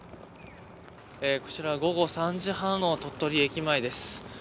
こちら午後３時半の鳥取駅前です。